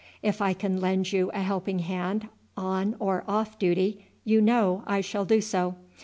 If I can lend you a helping hand on or off duty, you know I shall do so.